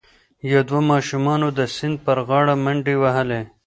یو دوه ماشومانو د سیند پر غاړه منډې وهلي.